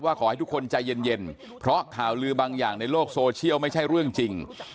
ขอให้ทุกคนใจเย็นเพราะข่าวลือบางอย่างในโลกโซเชียลไม่ใช่เรื่องจริง